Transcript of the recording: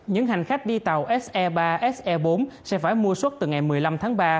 những hành khách đi tàu se ba se bốn sẽ phải mua suất từ ngày một mươi năm tháng ba